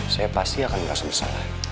saya pasti akan merasa bersalah